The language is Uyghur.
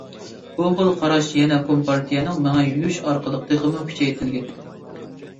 بۇ خىل قاراش يەنە كومپارتىيەنىڭ مېڭە يۇيۇشى ئارقىلىق تېخىمۇ كۈچەيتىلگەن.